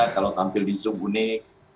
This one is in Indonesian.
kalau tampil disuruh unik